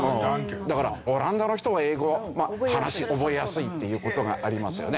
だからオランダの人は英語は話覚えやすいっていう事がありますよね。